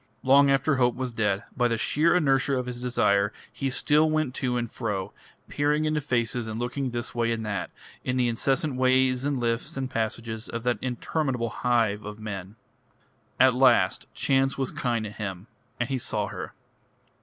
Long after hope was dead, by the sheer inertia of his desire he still went to and fro, peering into faces and looking this way and that, in the incessant ways and lifts and passages of that interminable hive of men. At last chance was kind to him, and he saw her.